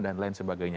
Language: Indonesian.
dan lain sebagainya